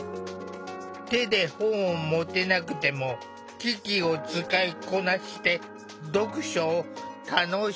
手で本を持てなくても機器を使いこなして読書を楽しんでいる。